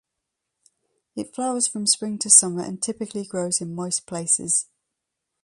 It flowers from spring to summer and typically grows in moist places.